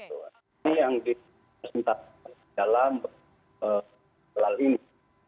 ini yang dipresentasikan dalam hal ini